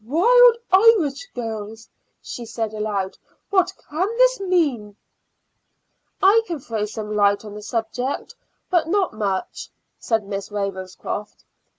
"'Wild Irish Girls,'" she said aloud. "What can this mean?" "I can throw some light on the subject, but not much," said Miss Ravenscroft.